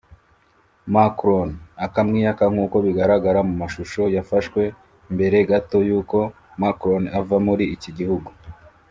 Macron akamwiyaka nk’ uko bigaragara mu mashusho yafashwe mbere gato y’uko Macron ava muri iki gihugu